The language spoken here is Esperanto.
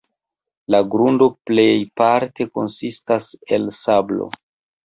La grundo plejparte konsistas el sablo.